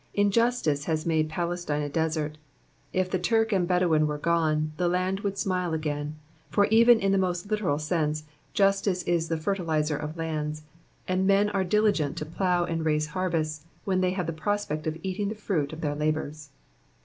Injustice has made Palestine a desert ; if the Turk and Bedouin were gone, the land would smile again ; for even in the most literal sense, justice is the fertiliser of lands, and men are diligent to plough and raise harvests when they have the prospect of eating the fruit of their labours.